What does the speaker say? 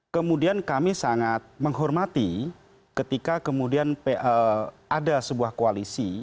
kemudian kami sangat menghormati ketika kemudian ada sebuah koalisi